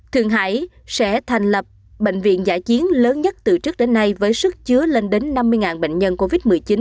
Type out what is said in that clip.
thượng hải sẽ thành lập bệnh viện giả chiến lớn nhất từ trước đến nay với sức chứa lên đến năm mươi bệnh nhân covid một mươi chín